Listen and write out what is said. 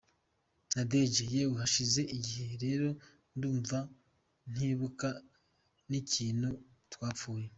Nadege: Yewe, hashize igihe rero ndumva ntibuka n’ikintu twapfuye.